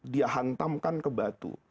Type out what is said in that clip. dia hantamkan ke batu